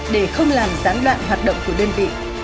để không làm gián đoạn hoạt động của đơn vị